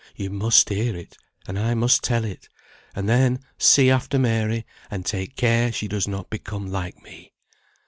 You must hear it, and I must tell it; and then see after Mary, and take care she does not become like me.